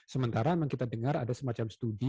sementara memang kita dengar ada semacam studi